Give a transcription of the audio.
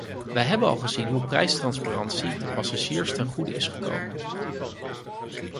Wij hebben al gezien hoe prijstransparantie de passagiers ten goede is gekomen.